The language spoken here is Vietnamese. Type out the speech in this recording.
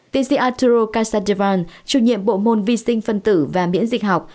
tiến sĩ arturo casadevan chủ nhiệm bộ môn vi sinh phân tử và miễn dịch học